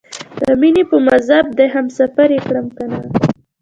د مینې په مذهب دې هم سفر یې کړم کنه؟